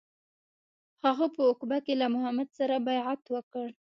هغه په عقبه کې له محمد سره بیعت وکړ.